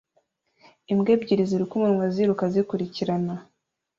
Imbwa ebyiri ziruka umunwa ziruka zikurikirana